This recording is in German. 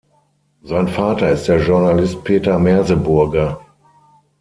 Sein Vater ist der Journalist Peter Merseburger.